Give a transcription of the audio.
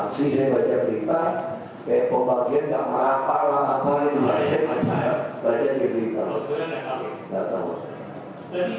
tidak ada pembang yang kooperatif seperti yang mereka lakukan